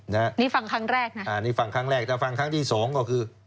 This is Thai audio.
นี่ฟังครั้งแรกนะอ่านี่ฟังครั้งแรกแต่ฟังครั้งที่สองก็คือ